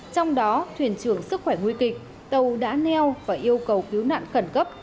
trong đó thuyền trưởng sức khỏe nguy kịch tàu đã neo và yêu cầu cứu nạn khẩn cấp